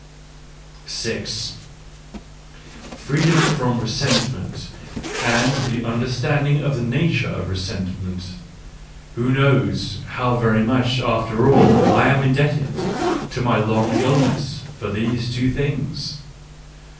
6 Freedom from resentment and the understand ing of the nature of resentment — who knows how very much after all I am indebted to my long ill* ness for these two things